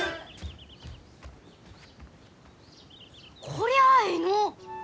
こりゃあえいの！